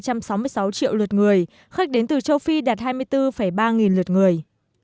châu úc đạt hai trăm sáu mươi sáu triệu lượt người khách đến từ châu phi đạt hai mươi bốn ba nghìn lượt người